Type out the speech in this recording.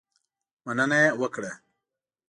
مننه یې وکړه.